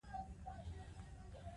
هغه وویل چې خنډونه عادي دي.